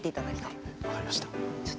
分かりました。